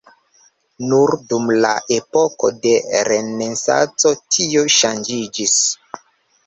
Nur dum la epoko de renesanco tio ŝanĝiĝis.